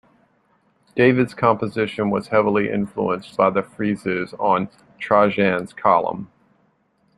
David's composition was heavily influenced by the friezes on Trajan's column.